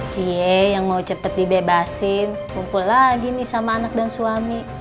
cie yang mau cepat dibebasin kumpul lagi nih sama anak dan suami